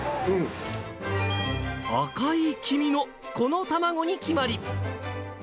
赤い黄身のこの卵に決まり。